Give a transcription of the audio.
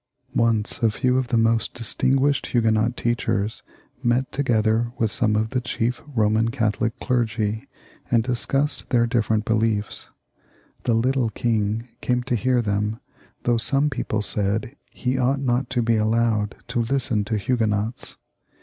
Once a few of the most dis tinguished Huguenot teachers met together with some of the chief Roman Catholic clergy and discussed their different beliefs. The little king came to hear this, though some people said he ought not to be allowed to listen to Huguenots.